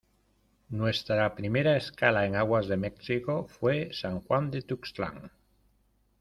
nuestra primera escala en aguas de México, fué San Juan de Tuxtlan.